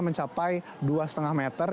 mencapai dua lima meter